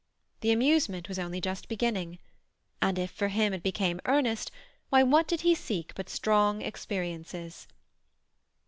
The amusement was only just beginning. And if for him it became earnest, why what did he seek but strong experiences?